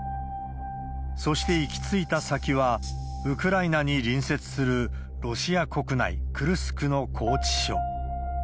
そして行き着いた先は、ウクライナに隣接するロシア国内、クルスクの拘置所。